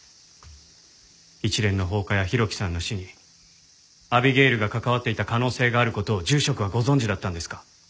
一連の放火や浩喜さんの死にアビゲイルが関わっていた可能性がある事を住職はご存じだったんですか？